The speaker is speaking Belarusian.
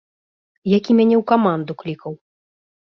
Які мяне ў каманду клікаў.